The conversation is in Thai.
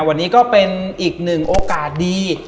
วันนี้ก็เป็นอีกหนึ่งโอกาสดี